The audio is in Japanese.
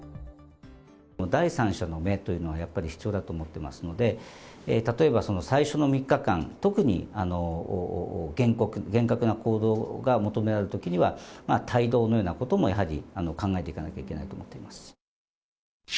第三者の目というのはやっぱり必要だと思ってますので、例えば最初の３日間、特に厳格な行動が求められるときには、帯同のようなこともやはり考えていかなきゃいけないと思っています。